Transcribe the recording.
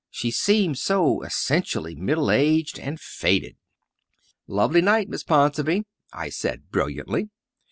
She seemed so essentially middle aged and faded. "Lovely night, Miss Ponsonby," I said brilliantly.